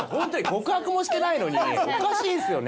告白もしてないのにおかしいんすよね。